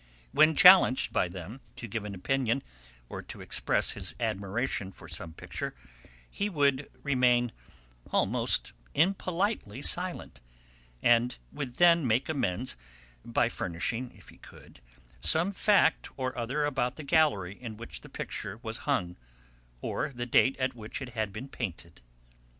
When challenged by them to give an opinion, or to express his admiration for some picture, he would remain almost impolitely silent, and would then make amends by furnishing (if he could) some fact or other about the gallery in which the picture was hung, or the date at which it had been painted.